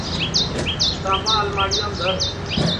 کِتاباں الماڑِیام دھر